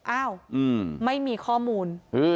อ้าวไม่มีข้อมูล